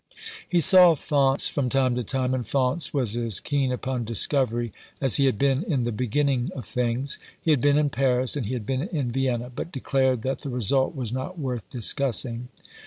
He saw Faunce from time to time, and Faunce was as keen upon discovery as he had been in the beginning of things. He had been in Paris, and he had been in Vienna, but declared that the result was not worth discussing.